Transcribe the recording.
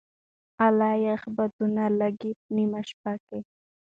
اله یخ بادونه لګې نېمه شپه کي